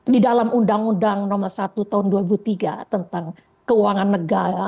di dalam undang undang nomor satu tahun dua ribu tiga tentang keuangan negara